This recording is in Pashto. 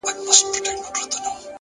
لوړې موخې ژور تمرکز غواړي!